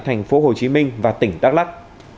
thành phố hồ chí minh và tỉnh đắk lắc